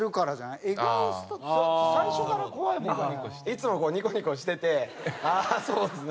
いつもこうニコニコしてて「ああそうですね」。